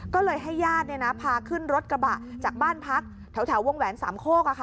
ก็เลยให้ญาติพาขึ้นรถกระบะจากบ้านพักแถววงแหวนสามโคก